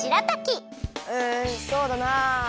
うんそうだな。